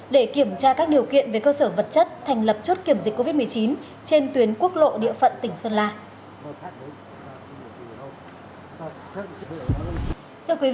để kiểm tra các điều kiện về cơ sở vật chất thành lập chốt kiểm dịch covid một mươi chín trên tuyến quốc lộ địa phận tỉnh sơn la